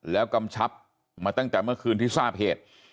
แล้วกำชับมาตั้งแต่เมื่อคืนที่ทราบเหตุ